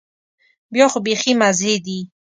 بیا خو بيخي مزې دي.